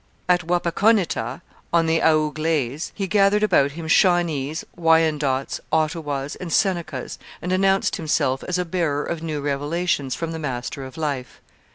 At Wapakoneta, on the Au Glaize, he gathered about him Shawnees, Wyandots, Ottawas, and Senecas, and announced himself as a bearer of new revelations from the Master of Life.